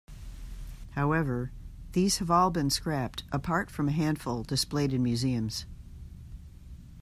However, these have all been scrapped, apart from a handful displayed in museums.